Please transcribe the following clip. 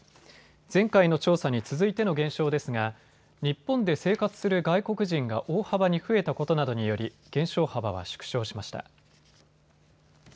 前回の調査に続いての減少ですが日本で生活する外国人が大幅に増えたことなどにより、減少幅は縮小しました。